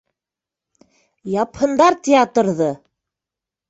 Япһындар театрҙы!